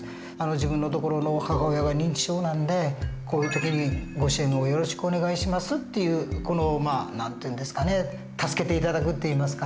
自分のところの母親が認知症なんでこういう時にご支援をよろしくお願いしますっていうこの何て言うんですかね助けて頂くって言いますか。